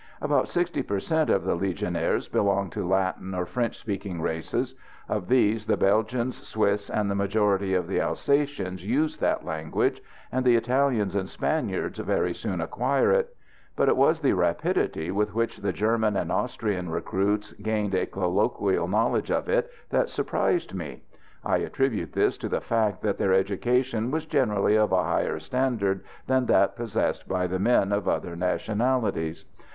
About sixty per cent. of the Legionaries belong to Latin or French speaking races; of these the Belgians, Swiss, and the majority of the Alsatians use that language, and the Italians and Spaniards very soon acquire it; but it was the rapidity with which the German and Austrian recruits gained a colloquial knowledge of it that surprised me. I attribute this to the fact that their education was generally of a higher standard than that possessed by the men of other nationalities.